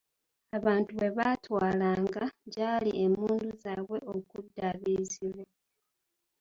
Abantu bwe baatwalanga gy'ali emmundu zaabwe okuddaabirizibwa.